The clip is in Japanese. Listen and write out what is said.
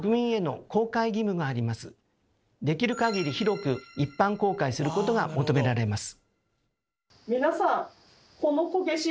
できるかぎり広く一般公開することが求められます。